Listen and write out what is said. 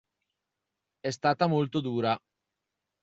È stata molto dura.